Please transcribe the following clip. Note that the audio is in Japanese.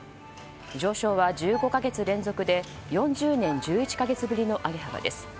上昇は１５か月連続で４０年１１か月ぶりの上げ幅です。